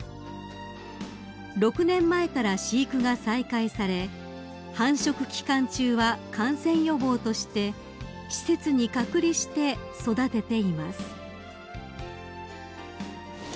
［６年前から飼育が再開され繁殖期間中は感染予防として施設に隔離して育てています］